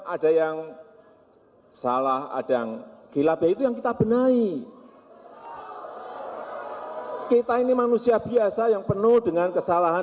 ada yang salah adang gila begitu yang kita benahi kita ini manusia biasa yang penuh dengan kesalahan